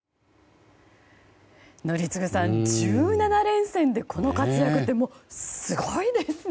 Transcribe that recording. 宜嗣さん１７連戦でこの活躍ってすごいですね。